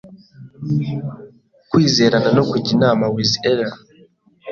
Kwizerana no kujya inama wiz era